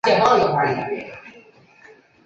说声新年恭喜